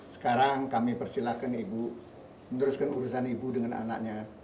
sekarang kami persilahkan ibu meneruskan urusan ibu dengan anaknya